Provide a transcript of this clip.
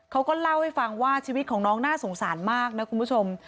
เขาก็เล่าให้ฟังว่าชีวิตของน้องน่าสงสารมากนะคุณผู้ชม